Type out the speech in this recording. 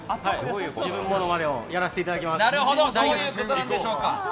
自分モノマネをやらせていただきます。